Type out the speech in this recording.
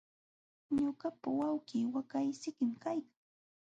Ñuqapa wawqii waqaysikim kaykan.